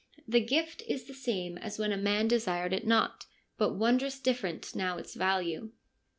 The gift is the same as when a man desired it not ; but wondrous different now its value.'